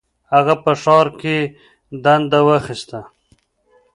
هغه په ښار کې دنده واخیسته.